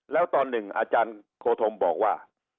แล้วตอนหนึ่งอโคธมบอกว่า